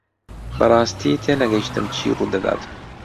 بەڕاستی تێنەگەیشتم چی ڕوودەدات.